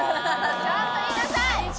ちゃんと言いなさい！